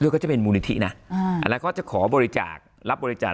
เขาจะเป็นมูลนิธินะแล้วก็จะขอบริจาครับบริจาค